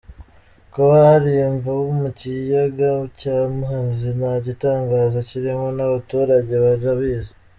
Kuba hari imvubu mu kiyaga cya Muhazi nta gitangaza kirimo, n’abaturaga barabizi.